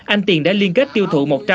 anh tiền đã liên kết tiêu thụ